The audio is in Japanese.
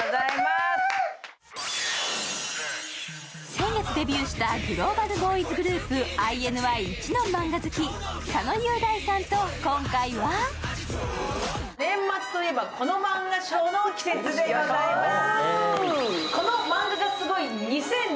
先月デビューしたグローバルボーイズグループ、ＩＮＩ一のマンガ好き、佐野雄大さんと今回は年末と言えばこのマンガ賞の季節でございます。